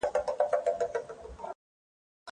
زه هره ورځ کتابونه لوستل کوم.